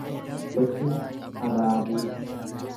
Gochima habaabuu